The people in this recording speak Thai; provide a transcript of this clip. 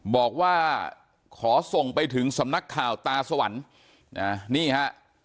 บอกว่าขอส่งไปถึงสำนักข่าวตาสวรรค์นะนี่ฮะ